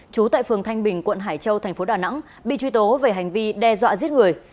trú tại phường thanh bình quận hải châu thành phố đà nẵng bị truy tố về hành vi đe dọa giết người